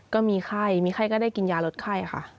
ก็มีไข้มีไข้ก็ได้กินยาลดไข้ค่ะ